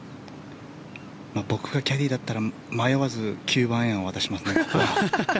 僕がキャディーだったら迷わず９番アイアンを渡しますね。